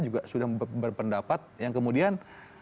juga sudah berpendapat yang kemudian